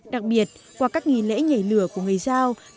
đặc biệt qua các nghỉ lễ nhảy lửa của người giao